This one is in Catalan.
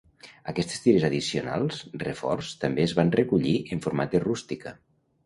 Aquestes tires addicionals reforç també es van recollir en format de rústica.